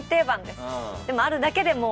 でもあるだけでもう。